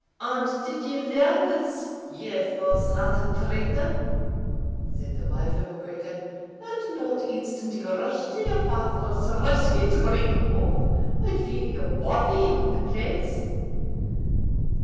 "And did you learn this, you false hearted traitor," said the wife of MacGregor, "and not instantly rush to your father's rescue, to bring him off, or leave your body on the place?"